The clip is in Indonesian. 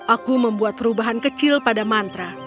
aku membuat perubahan kecil pada mantra